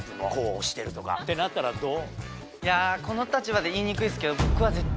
この立場で言いにくいですけど。